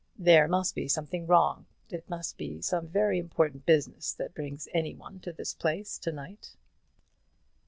"There must be something wrong; it must be some very important business that brings any one to this place to night."